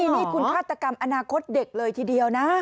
นี่คุณฆาตกรรมอนาคตเด็กเลยทีเดียวนะ